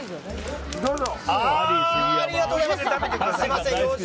どうぞ。